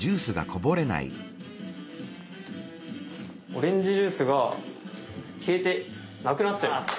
オレンジジュースが消えてなくなっちゃいます！